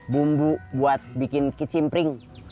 bumbu buat bikin kicimpring